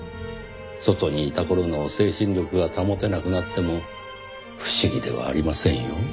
外にいた頃の精神力が保てなくなっても不思議ではありませんよ。